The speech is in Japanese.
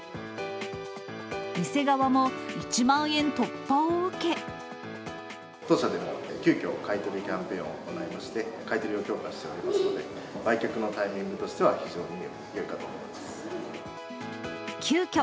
店側も、当社でも急きょ、買い取りキャンペーンを行いまして、買い取りを強化しておりますので、売却のタイミングとしては非常に急きょ、